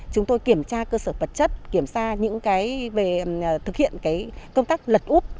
chúng tôi kiểm tra cơ sở vật chất kiểm tra những cái về thực hiện cái công tác lật úp